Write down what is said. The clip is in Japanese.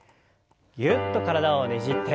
ぎゅっと体をねじって。